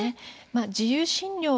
自由診療